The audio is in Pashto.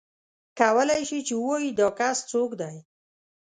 کولای شې چې ووایې دا کس څوک دی.